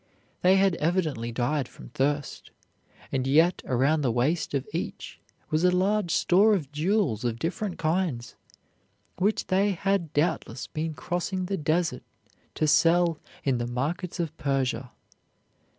They had evidently died from thirst, and yet around the waist of each was a large store of jewels of different kinds, which they had doubtless been crossing the desert to sell in the markets of Persia.